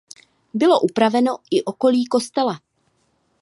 Bylo upraveno i okolí kostela.